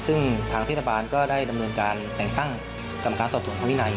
ซึ่งทางเทศบาลก็ได้ดำเนินการแต่งตั้งกรรมการสอบสวนทางวินัย